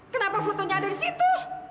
kenapa fotonya ada di situ